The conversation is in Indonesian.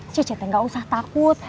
cece teh gak usah takut